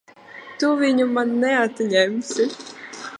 Tu viņu man neatņemsi!